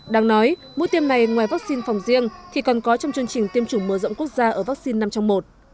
đáng nói mũi tiêm này ngoài vaccine phòng riêng thì còn có trong chương trình tiêm chủng mở rộng quốc gia ở vaccine năm trong một